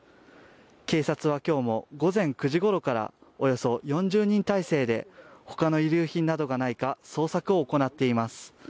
警察はきょうも午前９時ごろからおよそ４０人態勢でほかの遺留品などがないか捜索を行っています